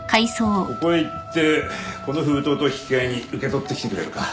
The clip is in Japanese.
ここへ行ってこの封筒と引き換えに受け取ってきてくれるか